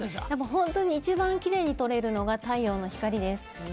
本当に一番きれいに撮れるのが太陽の光です。